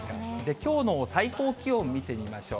きょうの最高気温を見てみましょう。